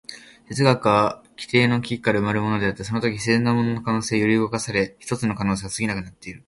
哲学は基底の危機から生まれるのであって、そのとき必然的なものの必然性は揺り動かされ、ひとつの可能性に過ぎなくなってくる。